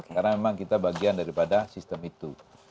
karena memang kita bagian daripada sistem itu